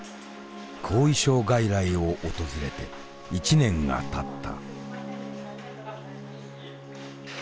後遺症外来を訪れて１年がたった。